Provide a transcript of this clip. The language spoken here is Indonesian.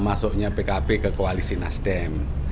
masuknya pkb ke koalisi nasdem